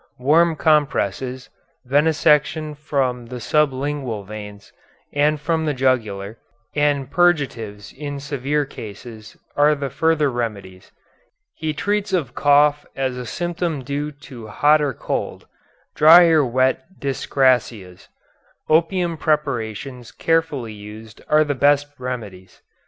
Warm compresses, venesection from the sublingual veins, and from the jugular, and purgatives in severe cases, are the further remedies. He treats of cough as a symptom due to hot or cold, dry or wet dyscrasias. Opium preparations carefully used are the best remedies.